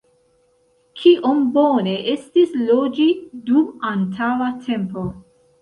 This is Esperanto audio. Kiom bone estis loĝi dum antaŭa tempo!